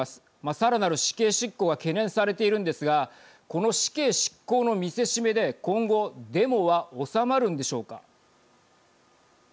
さらなる死刑執行が懸念されているんですがこの死刑執行の見せしめで今後デモは収まるんでしょうか。